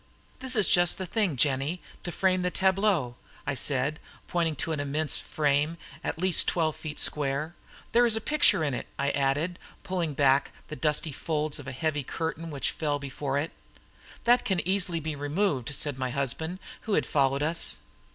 "This is just the thing, Jennie, to frame the tableaux," I said, pointing to an immense frame, at least twelve feet square. "There is a picture in it," I added, pulling back the dusty folds of a heavy curtain which fell before it. "That can be easily removed," said my husband, who had followed us.